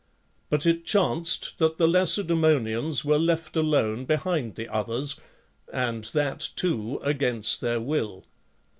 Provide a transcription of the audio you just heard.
But it chanced that the Lacedae monians were left alone behind the others, and that too against their will.